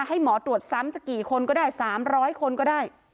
ให้หมอตรวจซ้ำจะกี่คนก็ได้๓๐๐คนก็ได้